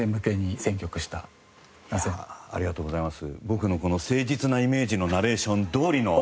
僕のこの誠実なイメージのナレーションどおりの。